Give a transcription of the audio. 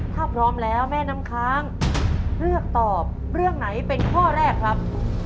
ถ้าพร้อมแล้วแม่น้ำค้างเลือกตอบเรื่องไหนเป็นข้อแรกครับ